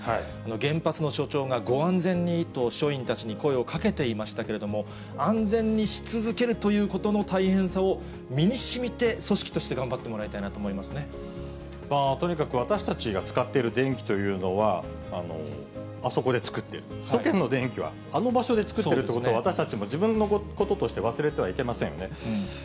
原発の所長がご安全に、と所員たちに声をかけていましたけれども、安全にし続けるということの大変さを身にしみて、組織として頑張とにかく私たちが使っている電気というのは、あそこで作っている、首都圏の電気はあの場所で作ってるってことを、私たちも自分のこととして忘れてはいけませんよね。